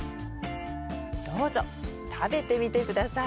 どうぞ食べてみて下さい。